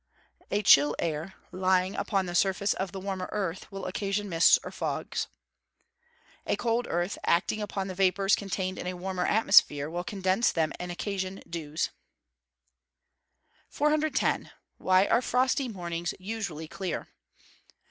A chill air, lying upon the surface of the warmer earth, will occasion mists or fogs. A cold earth, acting upon the vapours contained in a warmer atmosphere, will condense them and occasion dews. 410. _Why are frosty mornings usually clear?